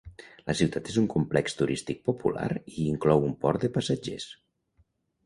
La ciutat és un complex turístic popular i inclou un port de passatgers.